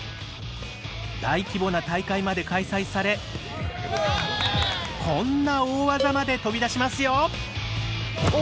大規模な大会まで開催されこんな大技まで飛び出しますよ。